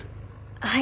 はい。